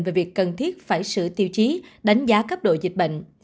về việc cần thiết phải sửa tiêu chí đánh giá cấp độ dịch bệnh